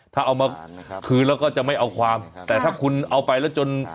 ถ้าเอามาคืนแล้วก็จะไม่เอาความแต่ถ้าคุณเอาไปแล้วจน